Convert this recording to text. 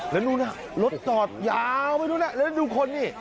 แล้วดูน่ะรถจอดยาวไปดูน่ะแล้วดูคนนี่